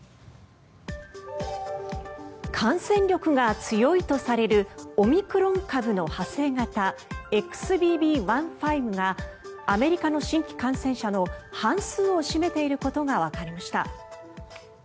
感染力が強いとされるオミクロン株の派生型ＸＢＢ．１．５がアメリカの新規感染者の半数を占めていることがわかりました。